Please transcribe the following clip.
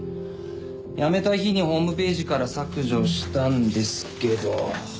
辞めた日にホームページから削除したんですけど。